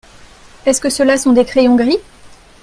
Est-ce que ceux-là sont des crayons gris ?